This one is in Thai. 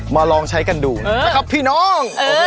ลองใช้กันดูนะครับพี่น้อง